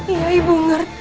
iya ibu ngerti